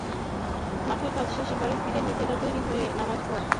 মাঠের কাজ শেষে বাড়ি ফিরে নিজেরা তৈরি হয়ে এসে নামাজ পড়া।